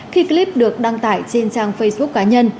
khi clip được đăng tải trên trang facebook cá nhân